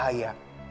nanti aku ambil tiara